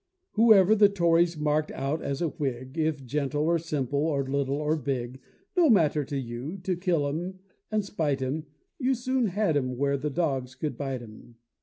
Whoever the Tories mark'd out as a Whig, If gentle, or simple, or little, or big, No matter to you to kill 'em and spite 'em, You soon had 'em up where the dogs couldn't bite 'em.